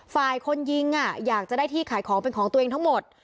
ฝ่ายคนยิงอยากจะได้ที่ขายของเป็นของตัวเองทั้งหมด